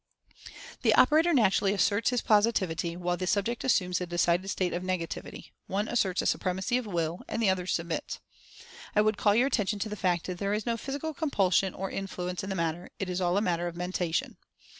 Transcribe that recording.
The operator naturally asserts his positivity, while the subject assumes a decided state of Negativity — one asserts a Supremacy of Will, and the other submits. I would call your attention to the fact that there is no physical compulsion, or influence, in the matter — it is all a matter of Mentation